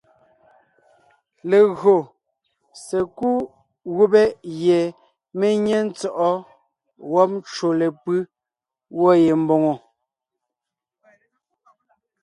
Legÿo sekúd gubé gie mé nyé ntsɔ̂ʼɔ wɔ́b ncwò lepʉ́ gwɔ̂ ye mbòŋo,